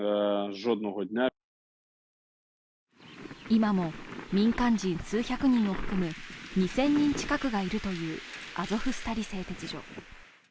今も民間人数百人を含む２０００人近くがいるというアゾフスタリ製鉄所。